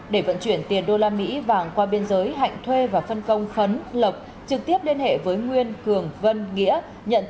để vận chuyển tiền đô la mỹ vàng qua biên giới hạnh thuê và phân công khấn lộc trực tiếp liên hệ với nguyên cường vân nghĩa